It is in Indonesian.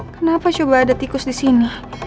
kenapa coba ada tikus disini